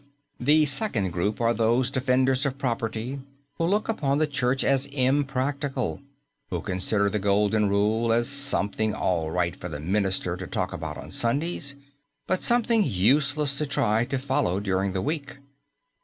The second group are those defenders of property who look upon the Church as impractical; who consider the Golden Rule as something all right for the minister to talk about on Sundays, but something useless to try to follow during the week.